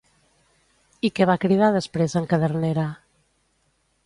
I què va cridar després en Cadernera?